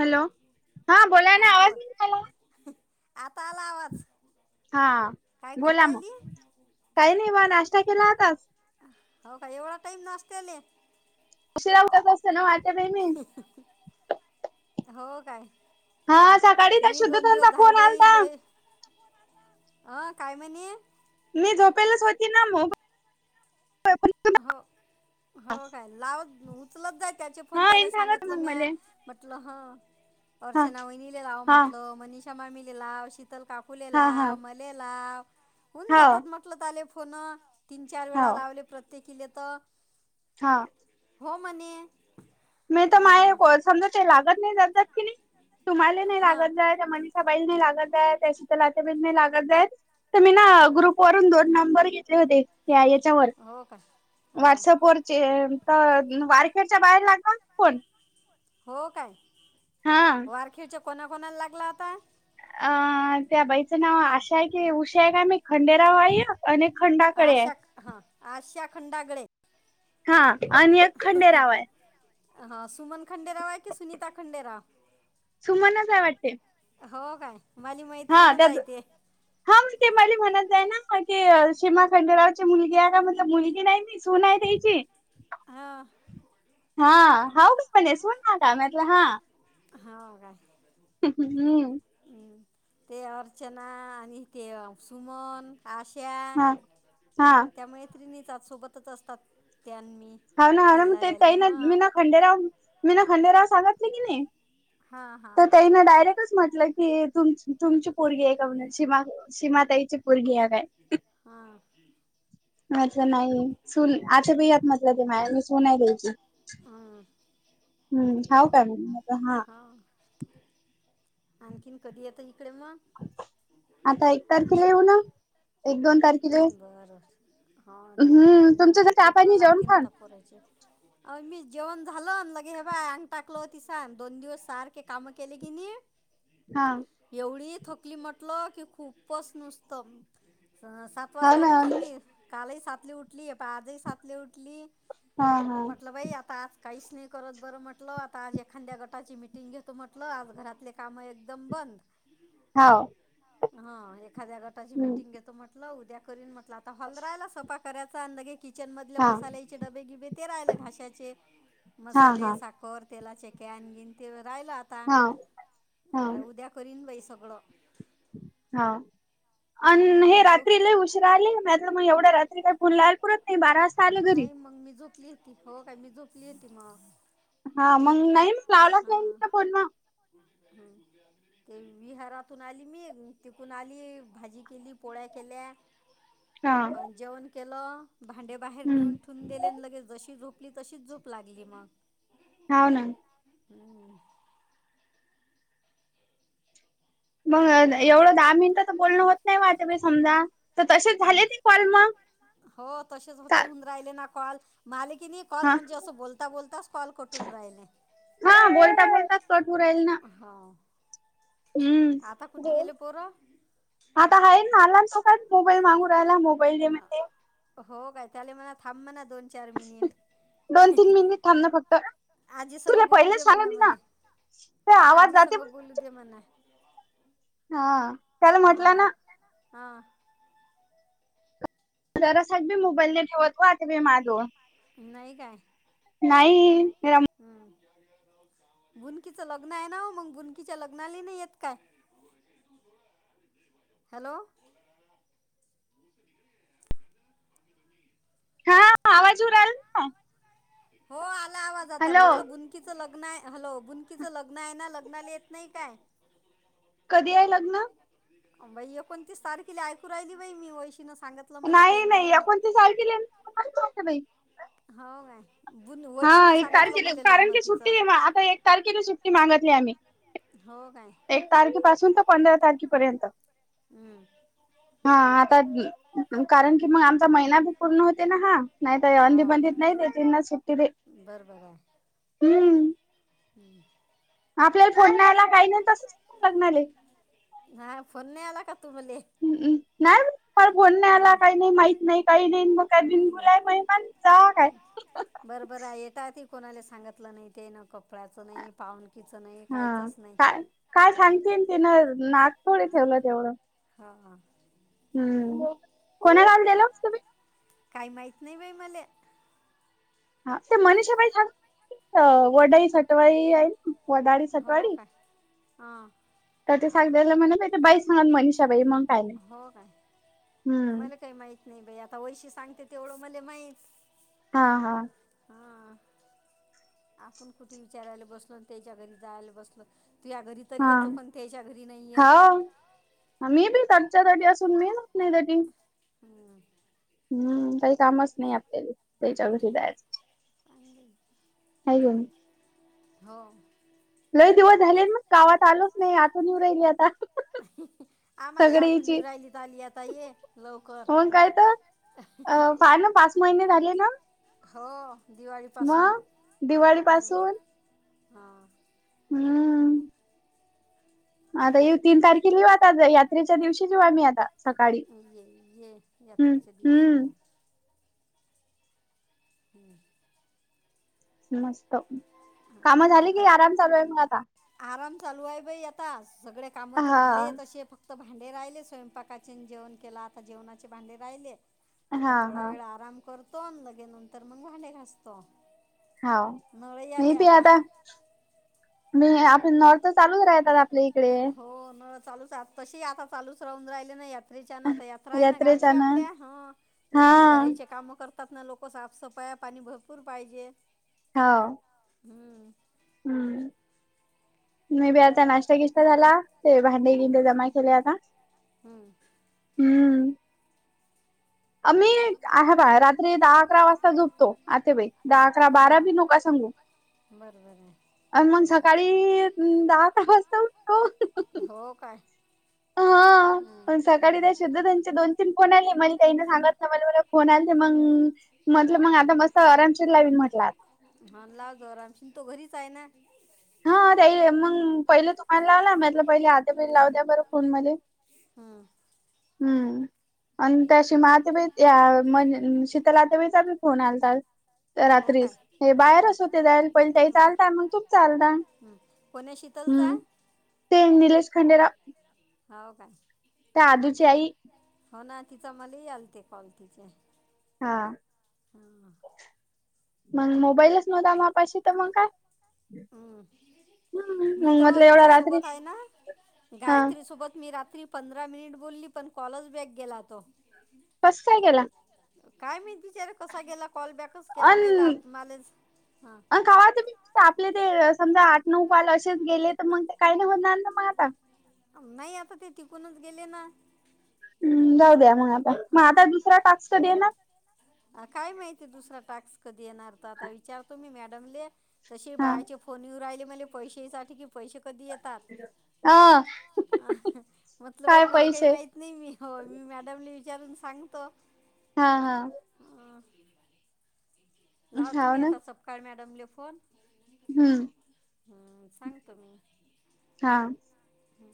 Hello. हा बोला ना आवाज नाही आला. आता आला आवाज. हा बोला म काही नाही बा नाश्ता केला आताच हाव का एवढा टाईम नाश्त्याले उशीरा उठायच असतय. आत्या बाई मी हो काय? मी दोन दिवस झाले बाई लय अ काय म्हणी मी झोपेलच होती ना मोबाईल हो हो काय लावत उचलत जा. त्याचे फोन त्याला सांगतलं म्या म्हटल हं अर्चना वहिनीले लावा म्हटलं मनीषा मामीले लाव शीतल काकू कूले लाव मले लाव होवून जातात. म्हटलं ताले फोन. तीन चार वेळा लावले प्रत्येकीले त हा. हो म्हणे. नाहीतर माये समजा ते लागत नाही जातात कनय तुम्हाला नाही लागत हाय मनिषा त्या बाईला नाही लागत हाय त्या शीतल आत्याबाईला नाही लागत हाय. तर मीन ग्रुप वरून दोन नंबर घेतले घेतले होते. त्या याच्यावर व्हॉटसअप वरचे. अ वारख्याच्या बाहेर लाग हो काय वारखेच्या कोणा कोणाला लागला होता. अ त्या बाईचं नाव आशा आहे की उषा आहे काय माहित खंडेराव आहे. [inaudible] आणि खंडा आशा हा आशा खंडागळे. हा आणि एक खंडेराव हाय हा सुमन खंडेराव आहे कि सुनीता खंडेराव? सुमनच हाय वाटते. हो काय? मैत्रीणच हाय ते. हा मग ते मला म्हणत आहे ना की सीमा खंडेरावचे मुलगी आहे ना? म्हणलं मुलगी नाही मी मी सुन हाय त्यानची. हा. हा हाव कस म्हणे सून हाय का मी म्हटलं हा. हा का हम हम ते अर्चना आणि ते सुमन आशा हम त्या मैत्रिणीच हात सोबतच असतात. त्यां आणि मी. आओ नाना म ते ताईन मीन खंडेराव मीना खंडेराव सांगितल की नाही तर ताईने डायरेक्ट तीतच म्हटलं की तुमची तुमची पोरगी हाय का म्हणलं सीमा सीमाताईची पोरगी हाय काय? हा. मी म्हटलं नाय ओ. सुन आत्याबाई आहेत म्हटलं ते माया. मी सुन आहे त्यांची. हा हम हाव काय म मी म्हणलं हा. आणखीन कधी येत इकडे म. आता एकतारखेला येऊ ना. बरं बरं हा ठीक आहे इ मग पेपर लागतीन आता पोरांचे. अ मी जेवण झाल लगे हे बाय अंग टाकलो होती सांग दोन दिवस सारखे काम केले की नी. [inaudible] हा. एवढी थकली म्हटल की खूपच नुसतं. सात वाजता उठली मी कालही सातले उठली प आजही सातले उठली. मतल बाई आता आ काहीच नाही करत बरं म्हटलं आता आज एखाद्या गटाची मिटिंग घेतो म्हटलं आज घरातले कामं एकदम बंद. [unintelligible] हाव. हा एखाद्या गटाची मिटिंग घेतो म्हटलं उद्या करीन म्हटलं आता हॉल रायला सपा- कराचा अंदगे- किचन मधले मसाल्याचे डबे गिबे ते घशाचे मसाले साखर- तेलाचे क्यान बिण ते राहिलं आता. आता उद्या करीन बाई सगळं. हा अन हे रात्री लई- राहिली मग एवढ्या रात्री काय फोन लावला पुरत नाही बारा नाही मग मी झोपली होती हो का मी झोपली होती मग, हा मग नाही मग आलाच नाही त्या फोन म- हम्. ते विहारातून आली मी तिकून आली भाजी केली पोळ्या केल्या. अं जेवन केलं भांडे बाहेर नेऊन ठे ठेऊन दिल्याने लगेच जशी झोपली तशीच झोप लागली मग, हाव ना. हम्. मग एवढं, दहा मिनिटच तर बोलणं होत वाट समजा तर झाले ते कॉल मग, हो तसेच होत- राहिले ना कॉल मा आले की कॉल म्हणजे अस बोलता बोलताच कॉल कटून राहिले. हा बोलता बोलताच कट होऊ राहीले ना. हो आता कुठे गेले पोर? आता आहे ना आलान सोबत मोबाईल मागू राहायला मोबाईल दे म्हण- हो काय त्याले मला थांब ना दोन चार मिनिट. आजी सग बोलू दे म्हने मला. आजी सग बोलु दे मणा. हा. हा हा. जरासा मी मोबाईलने ठेवत हो आता मी माधव- नाही काय? नाही. हम. बुनकीचं लग्न आहे ना हो मग बुनकीच्या लग्नाला नाही येत काय? हॅलो. हा आवाज येऊ राहीला का? हो आला आवाज आता म्हटलं बून तीच लग्न आहे. हॅलो बुनकीचं लग्न आहे ना लग्नाला येत नाही काय? कधी आहे लग्न? अग बाई एकोणतीस तारखेला ऐकू राहिली बाई मी वैशीनं सांगत नाही नाही एकोणतीस तारखेला [unintelligible] हो काय. हा एक तारखे कारण की सुट्टी आहे आता एक तारखेला सुट्टी मागतली आम्ही. हो काय. एक तारखेपासून तर पंधरा तारखेपर्यंत. हम. हा आता कारण की मग आमचा महिना पूर्ण होते ना हा नाहीत अधी मदीत नाही दे तीना सुट्टी दे. बरं बघं. हम्म आपल्याला फोन नयला काही नाही तसच फोन लागणार. नाय फोन नाही आला का तूमाले. हम्म नाही माहित मला फोन नाही आला काही नाही माहीत नाही काही नाही म काय बन बुलाय महिमान. [unintelligible] बरं बरं येता आधी कोणाला सांगितलं नाही ते न कपड्याचं नाही. पावनकीचं नाही. हा काय काय सांगतेन तिन नाक थोडे ठेवलं तेवढं हा हा. हम् कोणाला आल देल तुम्ही. काही माहित नाही बाई मले. हा ते मनीषाबाई छान वडाई सटवाई आहे. हो काय हा. तर ते सग्यायला म्हणत होते बाईस सांग मनीषाबाई मग. हो काय मला काही माहिती नाही बाई आता वैशी सांगते तेवढं मले माहित. हा हा. हा. आपण कुठे विचारायला बसल त्याच्या घरी जायला बसल तू या घरी तरी येतो पण त्याच्या घरी नाही येत. मी बी तच्यासाठी असून मीत नाही त्या. हम्. हम्म काही कामच नाही आपल्याला त्याच्या घरी जायच. अंडी. हॅलो. हो. लय दिवस झाले मग गावात आलोच नाही आता इऊ राहिले आता. आम्हाला आठून निवरायली आली आता ये लवकर. अहहहा. फार न पाच महिने झाले ना. हो दिवळीपासून. दिवाळी पासून. हा. हम्म. आता यिवू तीन तारखेल, यिवू आता जयात. रीच्या दिवशीच यिऊ आम्ही आता सकाळी, हम ह्म्म्म. हम्म. मस्त, कामं झाली, कि आराम चालू आहे म आता? आराम चालू आहे बई आता. सगळे काम त झालेय तशे, फक्त त भांडे राह्यले स्वयंपाकाचे, न जेवनं केलं आता जेवनाचे भांडे राह्यले. आता थोडा वेळ आराम करतो, अन लगे नंतर मंग भांडे घासतो. हाव. मी पी आता, मी आपन, नळ त चालूच रायतात आता हो नळ चालूच आये. तशी आता चालूच राहून राहिले न या रीच्यान आता. यात्रा आहे ना गावची आपल्या. ह.. त घराईचे काम करत तात ना लोकं साफसफाया, पानी भरपूर पायजे. हवं. हम्म. हम्म.. नाई बई आ नाश्ता गिश्ता झाला. ते भांडे गिंडे जमा केले आता हम्म. अम्ही, आ हे पाय, रात्री दहा-अकरा वाजता झोपतो. आते बाई, दहा, अकरा, बारा बी नोका सांगू. बर बर आहे. अन मंग सकाळी अं दहा-अकरा वाजता उ हो काय? अन सकाळी ते शिद्धुताईंचे दोन तीन फोन आले, मले त्याईनं सांगतलं. मले म्हने फोन आलते, मंग म्हटलं मंग आता, मस्त अरामशीर लाविन म्हटलं आता. हन लावजो अरामशीन. तो घरीच आहे ना. हा तै मंग पहिले तुम्हाल लावला, म्या म्हतलं, पहिले आत्याबईले लावू द्या बरं फोन मले. हम्म. हम्म. अन त्या शीमा आत्याबई, या.. मन... शीतल आत्याबईचा बी चा बी फोन आलता. रात्री. हे बाहेरच होते जायल. पयले त्याईचा आलता, मंग तूम आलता. ते निलेश खंडेराव हव काय? त्या आदिची आई हो ना, तिचा, मलेई आलते कॉल तिचे. हा ह्म्म. मंग मोबाईलच नव्हता मापाशी, त मंग काय? हम्म.. मी त हिच्या सोबत हाये ना गायत्री सोबत मी रात्री पंधरा मिनिट बोलली, पण कॉलज बॅग गेला तो. कस, कायं गेला? काय माहित बिचारे, कसा गेला कॉल बॅकच केला, नाही त आप् मालेच.. हं आपले ते समजा आठ-नऊ काॅल अशेच गेले त मंग त काही नाही होणार न मं आता नाही, आता ते तिकूनच गेले ना ह्म्म्म, जाऊ द्या मंग आता. म आता दुसरा टास्क कधी येनार? अ, काय माहिती दुसरा टाक्स कधी येणार, त आता विचारतो मी मॅडमले. तशेई बायाचे फोन यिवू रायले मले पैशायसाठी की पैशे कधी येत म्हटल बाई मला काही माहित नाही मी हो मी मॅडमने विचारून सांगतो. हा, हा हा लावतो मी आता सपकाळ मॅडमले फोन हम्म हम्म सांगतो मी, हा [inaudible] हो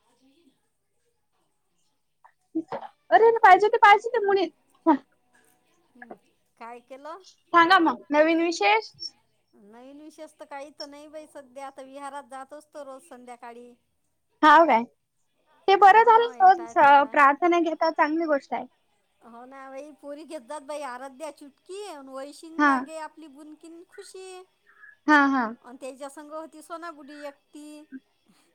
[inaudible] अरे ना पाहिजे ते पाहिजे ते मुणीत हम्... काय केलं? नवीन विषयस तर काही तर नाही. बा सध्या आता विहारात जात असतो रोज संध्याकाळी. [inaudible] हाव ते [inaudible] बरं झालं प्रार्थना घेतात चांगली गोष्ट आहे. हो ना बाई प [inaudible] पुरी घेतात बाई आराध्या चुटकी [inaudible] वैशींग लागे आपली बुनकिन खुशी हा! हा! आणि त्याच्यासघ होती. सोनागुडी एक ती.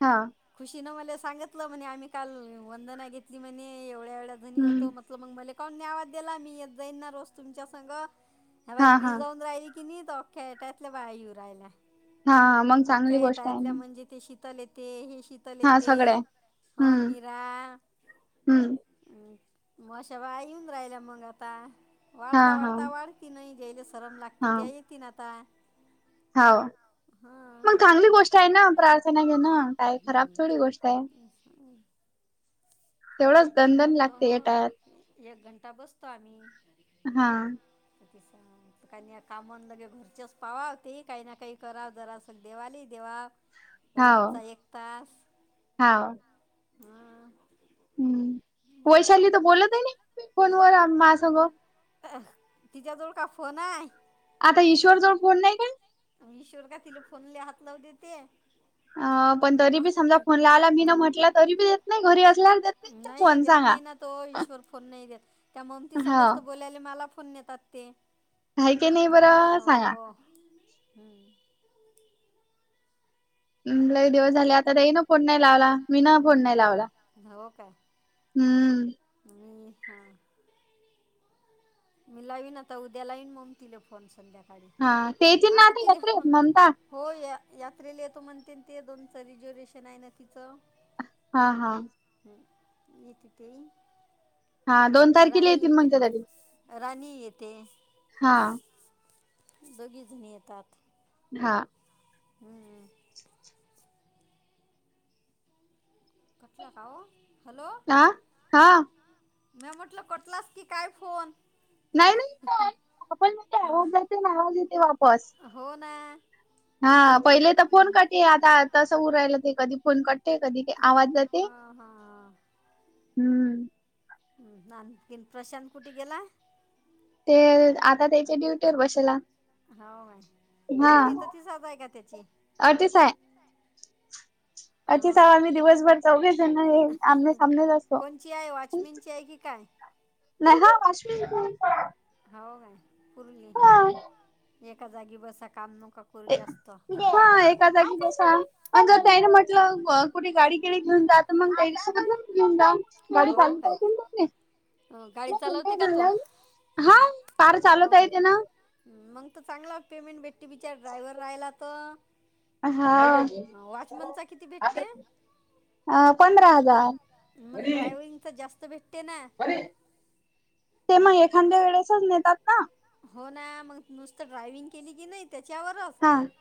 हा... खुशी ना मला सांगितलं म्हणे. आम्ही काल वंदना घेतली म्हणे. एवढ्या-एवढ्या जनी होतो म मग मला काउन आवाज दिला मी येत जाईन ना रोज तुमच्या संग ह मी [inaudible] जाऊन राहि ति अख्या [inaudible] एटतल्या अखख्या [inaudible] एटातल्या म्हणजे ती शीतल येते. ही शीतल येते. हो मीरा हम्म, हम्... मशा वा येऊन राहिला मग आता वाढता, वाढता, वाढ नाही! ज्याला सरम लागते त्या येतील ना आता. [inaudible] हाव मग चांगली गोष्ट आहे. ना प्रार्थना घे ना काय खराब थोडी गोष्ट आहे. [unintelligible] ते [inaudible] तेवढंच दंन-दंन लागते या टायात एक घंटा बसतो. आम्ही! हा.... [inaudible] काही काम लगे घरचेच पावा तेही काही ना काही कराव जरा सग देवाली देवा रोजचा एक तास हाव हा हम्... वैशाली तर बोलत आहे ना, फोनवर माझ्यासंग [unintelligible] अ [inaudible] तुझ्याजवळ काय फोन हाय आता ईश्वरजवळ फोन नाही काय? ईश्वर का तिला फोनला हात लावू देते. अ पण तरी बी समजा फोन लावला मी ना म्हटलं. तरी बी देत नाही. घरी [inaudible] असल्यावर देत नाही फोन सांगा. तो ईश्वर फोन नाही देत. त्या ममती संगती बोलायला मला फोन देतात ते हाय की नाही बरं सांगा! [unintelligible] हम् [inaudible] लय दिवस झाले आता [unintelligible] फोन नाही लावला, मी ना फोन नाही लावला. हम्म. हम्, हा. मी लावन आता उद्या लाईन मग तिला फोन संध्याकाळी. आता तिला फोन हो! या यात्रेला येतो म्हणते, ते दोनचं रिजर्वेशन आहे. ना तिचं. हा. हा. ह. येतती. हा दोन तारखेला येतील म्हणते. त्यारी. राणी येते? हा. सगळीजण येतात. हा. हम्म. हॅलो. आ हा. मी म्हटल कटलास की काय फोन. नाही का आपणण आवाज जाते ना आवाज येते. हो ना. हा पहिले तर फोन कटे आता तसं उडायला राहिलं ते कधी. फोन कट आहे का दीदी आवाज जाते. हम्म. नाही. प्रशांत कुठे गेला? ते आता ते. ड्युटीवर बसेला‌. हा अडतीस आहे. आधीच आम्ही दिवसभर चौघे जण येईल आमने सामनेच असतो. नाही हा. हो का. पुरली. एका जागी बसा काम नको. हा एका जागी बसा आणि जर ताई न म्हटलं कुठे गाडी गडी घेऊन जाता मग ताई सोबत घेऊन जा. गा हा. कार चालवता येते ना. मग त चांगला पेमेंट भेटते बिचार ड्रायववर राहिला तर. हा. पंधरा हजार. जास्त भेटतं. रे ते मग एखाद्या वेळेसच देतात ना. हो ना मग नुसतं ड्रायविंग केली की नाही त्याच्यावर हां.